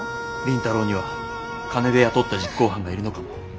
倫太郎には金で雇った実行犯がいるのかも。